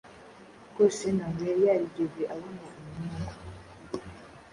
rwose ntabwo yari yarigeze abona umuhungu